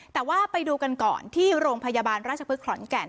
แต่ว่าไปดูกันก่อนที่โรงพยาบาลราชพฤกษขอนแก่น